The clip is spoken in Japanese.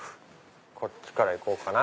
こっちからいこうかな？